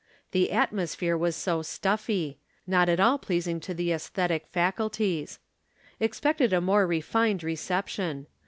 The atmosphere was so stuffy not at all pleasing to the æsthetic faculties. Expected a more refined reception.